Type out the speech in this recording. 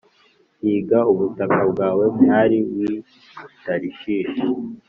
Hinga ubutaka bwawe, mwari w’i Tarishishi,